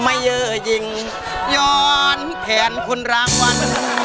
เยอร์ยิงย้อนแทนคนรางวัล